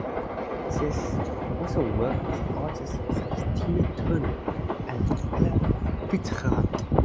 She has also worked with artists such as Tina Turner and Ella Fitzgerald.